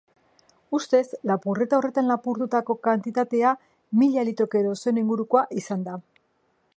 Ustez, lapurreta horretan lapurtutako kantitatea mila litro keroseno ingurukoa izan da.